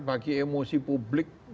bagi emosi publik